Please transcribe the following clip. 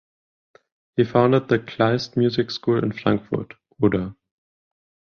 He founded the Kleist Music School in Frankfurt (Oder).